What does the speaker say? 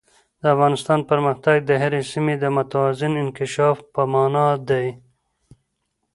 د افغانستان پرمختګ د هرې سیمې د متوازن انکشاف په مانا دی.